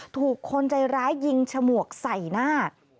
ถูกคนใจร้ายยิงฉมวกใส่หน้า